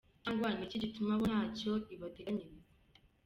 Cyangwa ni iki gituma bo ntacyo ibateganyiriza!!!?